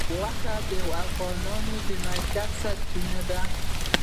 غوښې د افغانانو د معیشت سرچینه ده.